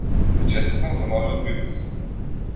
Ви честитам за новиот бизнис.